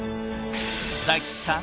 大吉さん